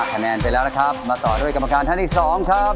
คะแนนไปแล้วนะครับมาต่อด้วยกรรมการท่านที่๒ครับ